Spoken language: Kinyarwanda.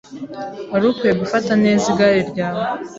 Wari ukwiye gufata neza igare ryawe.